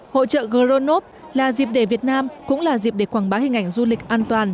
hội trợ gronov là dịp để việt nam cũng là dịp để quảng bá hình ảnh du lịch an toàn